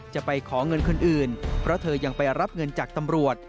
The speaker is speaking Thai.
จะไปขอเงินคนอื่นเพราะเธอยังไปรับเงินจากตำรวจ